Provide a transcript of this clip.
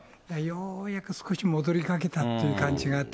ようやく少し戻りかけたという感